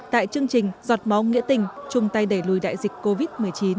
tại chương trình giọt máu nghĩa tình chung tay đẩy lùi đại dịch covid một mươi chín